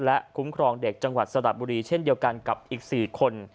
และคุ้มครองเด็กจังหวัดสระบุรีเช่นเดียวกันกับอีก๔คน